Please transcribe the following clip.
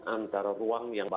antara ruang yang